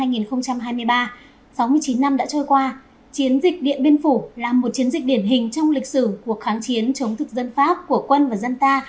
sáu mươi chín năm đã trôi qua chiến dịch điện biên phủ là một chiến dịch điển hình trong lịch sử cuộc kháng chiến chống thực dân pháp của quân và dân ta